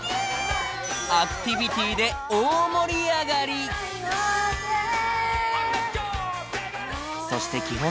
アクティビティで大盛り上がりそしておいしい